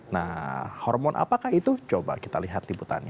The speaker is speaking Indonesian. nah hormon apakah itu coba kita lihat liputannya